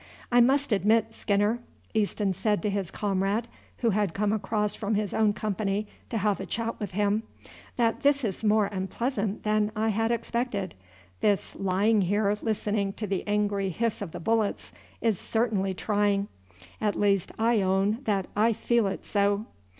"I must admit, Skinner," Easton said to his comrade, who had come across from his own company to have a chat with him, "that this is more unpleasant than I had expected. This lying here listening to the angry hiss of the bullets is certainly trying; at least I own that I feel it so."